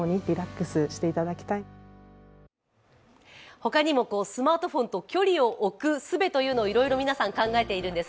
ほかにもスマートフォンと距離を置くすべというのをいろいろ皆さん、考えているんです